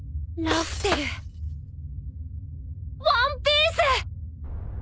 ワンピース！